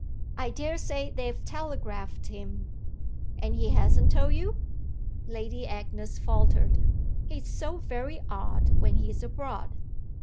I daresay they've telegraphed him." "And he hasn't told you?" Lady Agnes faltered. "He's so very odd when he's abroad!"